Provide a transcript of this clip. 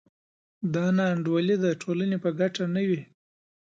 دا نا انډولي د ټولنې په ګټه نه وي.